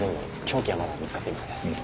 凶器はまだ見つかっていません。